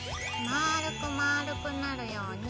まるくまるくなるように。